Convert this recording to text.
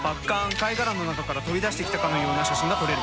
貝殻の中から飛び出してきたかのような写真が撮れる。